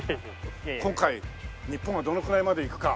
今回日本がどのくらいまでいくか。